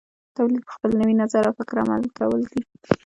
تولید په خپل نوي نظر او فکر عمل کول دي.